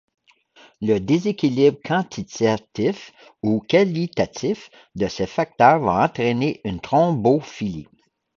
Le déséquilibre quantitatif ou qualitatif de ces facteurs va entraîner une thrombophilie.